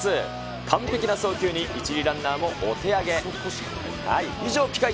完璧な送球に１塁ランナーもお手上げ。